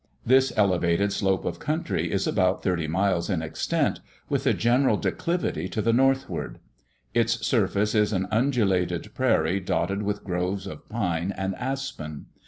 This elevated slope of country is about 30 miles in extent, with a general declivity to the northward. Its surface is an undulated prairie dotted with groves of pine and aspen.